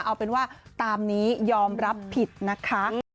เอาเป็นว่าตามนี้ยอมรับผิดนะคะ